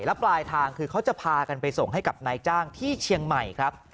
แล้วปลายทางคือเขาจะพากันไปส่งให้กับนายจ้างที่เชียงใหม่ครับ